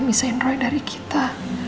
misahin roy dari kita